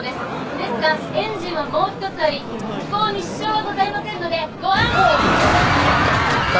ですがエンジンはもう一つあり飛行に支障はございませんのでご安心。